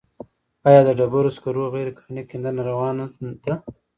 آیا د ډبرو سکرو غیرقانوني کیندنه روانه ده؟